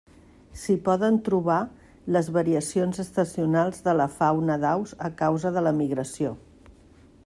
S'hi poden trobar, les variacions estacionals de la fauna d'aus a causa de la migració.